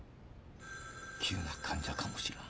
急な患者かもしらん。